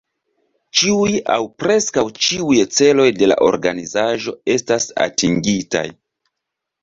Ĉiuj aŭ preskaŭ ĉiuj celoj de la organizaĵo estas atingitaj.